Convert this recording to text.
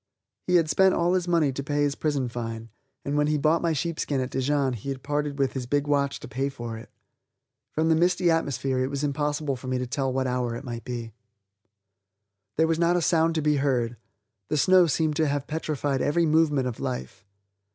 He had spent all his money to pay his prison fine, and when he bought my sheepskin at Dijon he had parted with his big watch to pay for it. From the misty atmosphere it was impossible for me to tell what hour it might be. There was not a sound to be heard; the snow seemed to have petrified every movement of life.